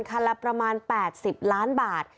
ละประมาณ๘๐ล้านบาท